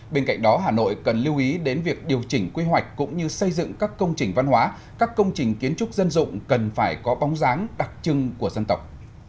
bên cạnh đó hà nội cần lưu ý đến việc điều chỉnh quy hoạch cũng như xây dựng các công trình văn hóa các công trình kiến trúc dân dụng cần phải có bóng dáng đặc trưng của dân tộc